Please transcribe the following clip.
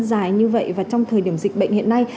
dài như vậy và trong thời điểm dịch bệnh hiện nay